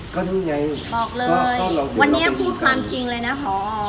บอกเลยวันนี้พูดความจริงเลยนะพอออก